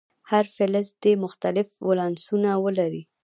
هر فلز دې مختلف ولانسونه ولري.